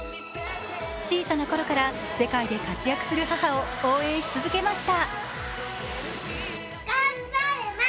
小さなころから世界で活躍する母を応援し続けました。